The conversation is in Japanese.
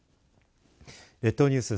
列島ニュース